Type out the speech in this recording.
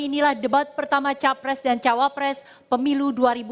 inilah debat pertama capres dan cawapres pemilu dua ribu dua puluh